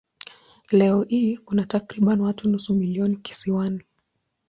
Leo hii kuna takriban watu nusu milioni kisiwani.